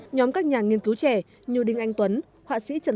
nhóm các nhà nghiên cứu trẻ như đinh anh tuấn